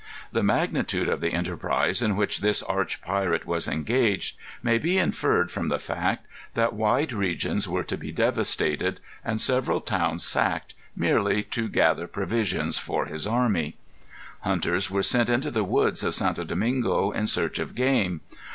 The magnitude of the enterprise in which this arch pirate was engaged may be inferred from the fact that wide regions were to be devastated, and several towns sacked, merely to gather provisions for his army. Hunters were sent into the woods of St. Domingo in search of game.